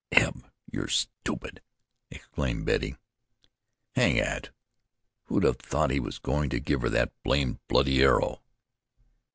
"Eb, you're a stupid!" exclaimed Betty. "Hang it! Who'd have thought he was going to give her that blamed, bloody arrow?"